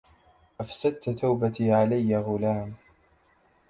أفسدت توبتي علي غلام